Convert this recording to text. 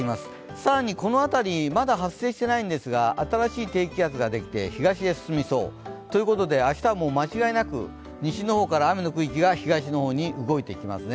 更にこの辺り、まだ発生していないんですが新しい低気圧ができて、東へ進みそう。ということで明日は間違いなく西の方から雨の区域が東の方へ動いていきますね。